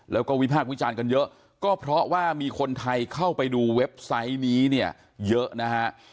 แล้วก็วิพากษ์วิจารณ์กันเยอะก็เพราะว่ามีคนไทยเข้าไปดูเว็บไซต์นี้เนี่ยเยอะนะฮะ